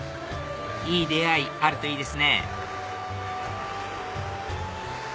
いい出会いあるといいですね